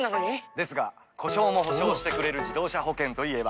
ですが故障も補償してくれる自動車保険といえば？